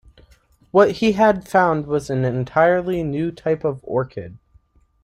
What he had found was an entirely new type of orchid.